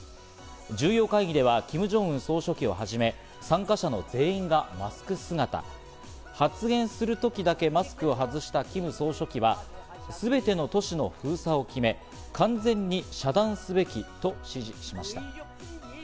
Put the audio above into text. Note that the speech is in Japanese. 重要会議ではキム・ジョンウン総書記をはじめ、参加者の全員がマスク姿。発言するときだけマスクを外したキム総書記はすべての都市の封鎖を決め、完全に遮断すべきと指示しました。